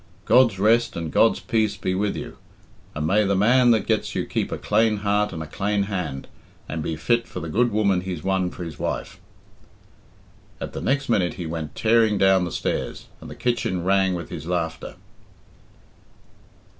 "God's rest and God's peace be with you, and may the man that gets you keep a clane heart and a clane hand, and be fit for the good woman he's won for his wife." At the next minute he went tearing down the stairs, and the kitchen rang with his laughter.